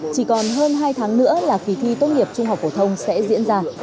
chỉ còn hơn hai tháng nữa là kỳ thi tốt nghiệp trung học phổ thông sẽ diễn ra